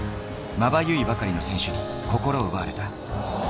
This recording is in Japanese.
まばゆいばかりの選手に心を奪われた。